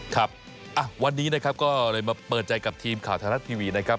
ครับวันนี้นะครับก็เลยมาเปิดใจกับทีมข่าวไทยรัฐทีวีนะครับ